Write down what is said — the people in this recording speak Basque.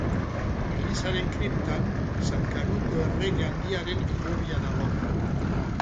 Elizaren kriptan San Kanuto errege handiaren hilobia dago.